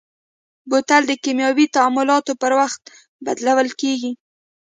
بوتل د کیمیاوي تعاملاتو پر وخت بدلول کېږي.